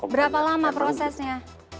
berapa lama prosesnya